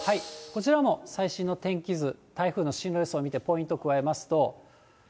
こちらも最新の天気図、台風の進路予想見てポイント加えますと。